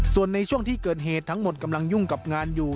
ส่วนในช่วงที่เกิดเหตุทั้งหมดกำลังยุ่งกับงานอยู่